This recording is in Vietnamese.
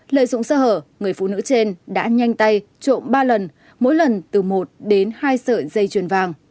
lợi dụng sơ hở người phụ nữ trên đã nhanh tay trộm ba lần mỗi lần từ một đến hai sợi dây chuyền vàng